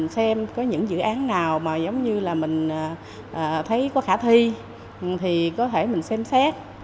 xem có những dự án nào mà giống như là mình thấy có khả thi thì có thể mình xem xét